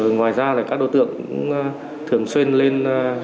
ngoài ra là các đối tượng thường xuyên lên